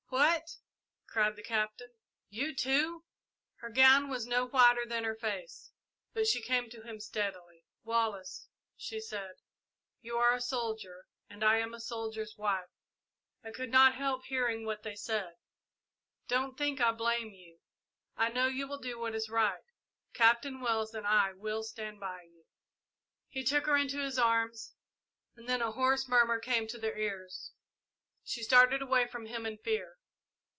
"What!" cried the Captain; "you, too?" Her gown was no whiter than her face, but she came to him steadily. "Wallace," she said, "you are a soldier, and I am a soldier's wife. I could not help hearing what they said. Don't think I blame you I know you will do what is right. Captain Wells and I will stand by you!" He took her into his arms, and then a hoarse murmur came to their ears. She started away from him in fear.